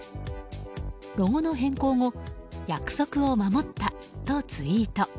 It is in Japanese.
ロゴの変更後約束を守ったとツイート。